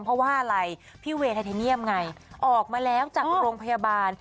เพราะว่าอะไรพี่เวย์ไทเทเนียมไงออกมาแล้วจากโรงพยาบาล